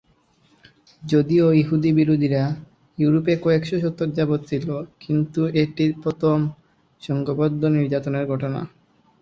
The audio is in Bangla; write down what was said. যদিও ইহুদী বিরোধীরা ইউরোপে কয়েক শতক যাবৎ ছিল, কিন্তু এটিই প্রথম সংঘবদ্ধ নির্যাতনের ঘটনা।